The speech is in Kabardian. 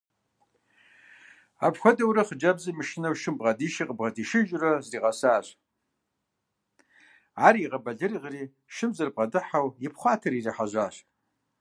Апхуэдэурэ хъыджэбзыр мышынэу шым бгъэдишэ–къыбгъэдишыжурэ зэригъэсащ, ар игъэбэлэрыгъри шым зэрыбгъэдыхьэу ипхъуатэри ирихьэжьащ.